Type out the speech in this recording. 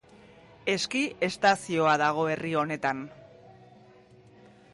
Eski estazioa dago herri honetan.